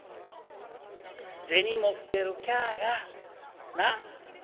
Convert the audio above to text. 「銭持ってるキャがなっ？